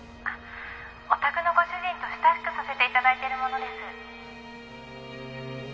「おたくのご主人と親しくさせて頂いている者です」